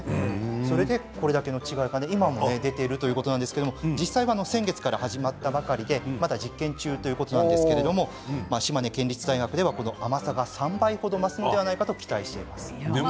それでこれだけの違いが出ているということなんですが実際は先月から始まったばかりで実験中ということなんですが島根県立大学では甘みが３倍程増すのではないかと期待しています。